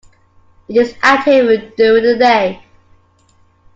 It is active during the day.